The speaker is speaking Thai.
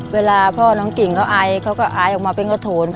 เวลาพ่อน้องกิ่งเขาไอเขาก็อายออกมาเป็นกระโถน